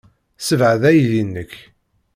Ssebɛed aydi-nnek.